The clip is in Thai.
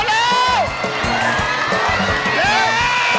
เร็ว